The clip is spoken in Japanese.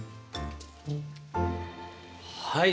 はい。